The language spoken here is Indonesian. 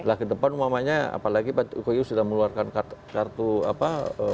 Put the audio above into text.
lah ke depan umumnya apalagi pak koyu sudah mengeluarkan kartu apa